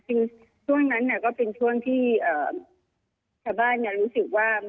ช่วงนั้นก็เป็นช่วงที่ชาวบ้านรู้สึกว่า